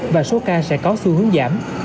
và số ca sẽ có xu hướng giảm